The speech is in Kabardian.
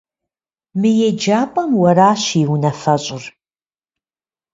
Мы еджапӀэм уэращ и унафэщӀыр.